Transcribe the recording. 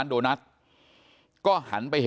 โปรดติดตามต่อไป